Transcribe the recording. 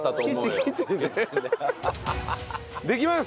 できます！